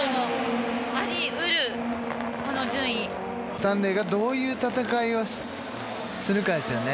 スタンレーがどういう戦いをするかですよね。